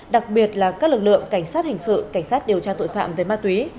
đặc biệt là các lực lượng cảnh sát hình sự cảnh sát điều tra tội phạm về ma túy